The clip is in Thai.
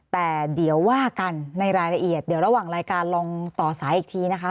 แต่เดี๋ยวว่ากันในรายละเอียดเดี๋ยวระหว่างรายการลองต่อสายอีกทีนะคะ